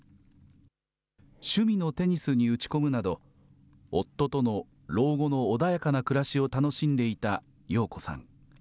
趣味のテニスに打ち込むなど、夫との老後の穏やかな暮らしを楽しんでいた陽子さん。